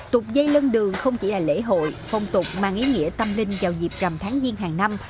tục dây lân đường không chỉ là lễ hội phong tục mang ý nghĩa tâm linh vào dịp rằm tháng giêng hàng năm